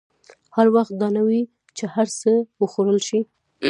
هر وخت دا نه وي چې هر څه وخوړل شي.